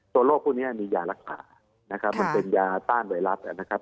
ตัวโรคพวกนี้มียารักษามันเป็นยาต้านไวรัส